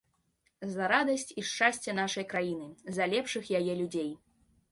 За радасць і шчасце нашай краіны, за лепшых яе людзей.